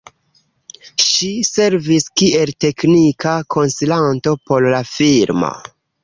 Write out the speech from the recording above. Ŝi servis kiel teknika konsilanto por la filmo.